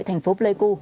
thành phố plek